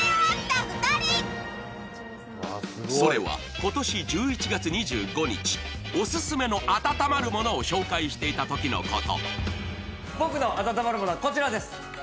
それは今年１１月２５日、オススメの温まるものを紹介していたときのこと。